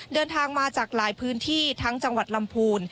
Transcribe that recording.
เดินทางมาจากหลายพื้นที่ทั้งจังหวัดลำพูน